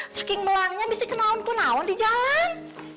saking melangnya bisa kenaun kunaun di jalan